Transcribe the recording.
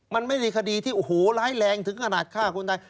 มันไม่มีคดีที่โอ้โหร้ายแรงถึงขนาดฆ่าคนไทย